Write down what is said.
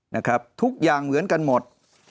นะครับทุกอย่างเหมือนกันหมด